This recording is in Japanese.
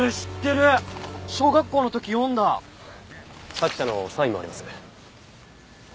作者のサインもあります。